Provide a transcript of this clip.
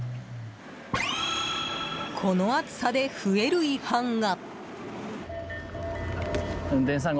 この暑さで増える違反が。